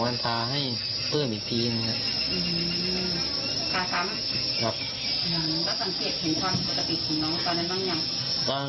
สังเกตเห็นความปฏิบัติของน้องตั้งในบ้างอย่าง